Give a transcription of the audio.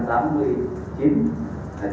và anh có ý xét nghiệm pháp luật